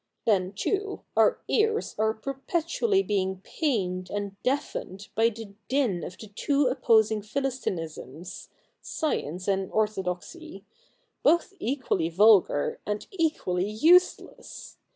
Then, too, our ears are perpetually being pained and deafened by the din of the two opposing Philistinisms — science and orthodoxy — both equally vulgar, and equally useless.